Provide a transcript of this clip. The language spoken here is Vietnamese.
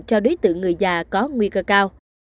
cho đối tượng người già có nguy cơ cao